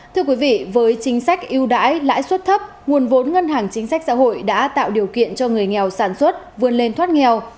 thưa quý vị với chính sách yêu đãi lãi suất thấp nguồn vốn ngân hàng chính sách xã hội đã tạo điều kiện cho người nghèo sản xuất vươn lên thoát nghèo